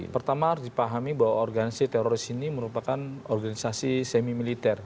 pertama harus dipahami bahwa organisasi teroris ini merupakan organisasi semi militer